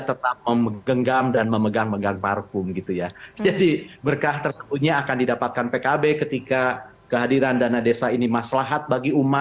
tetaplah di cnn indonesia newsroom